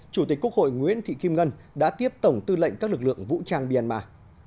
chủ tịch quốc hội nguyễn thị kim ngân đã tiếp tổng tư lệnh các lực lượng vũ trang myanmar